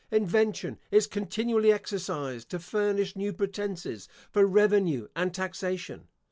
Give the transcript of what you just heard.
Invention is continually exercised to furnish new pretences for revenue and taxation.